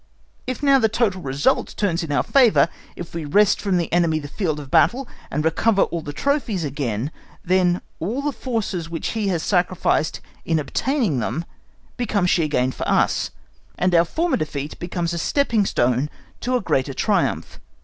If now the total result turns in our favour, if we wrest from the enemy the field of battle and recover all the trophies again, then all the forces which he has sacrificed in obtaining them become sheer gain for us, and our former defeat becomes a stepping stone to a greater triumph.